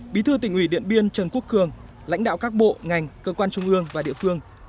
bí thư tỉnh ủy điện biên trần quốc cường lãnh đạo các bộ ngành cơ quan trung ương và địa phương